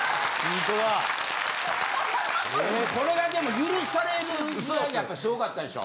これがでも許される時代ってすごかったでしょ。